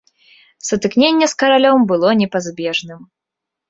Сутыкненне з каралём было непазбежным.